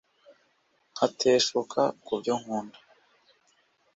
ngateshuka ku byo nkunda